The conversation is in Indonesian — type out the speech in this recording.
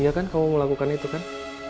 iya kan kamu mau lakukan itu kan